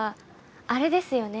あれですよね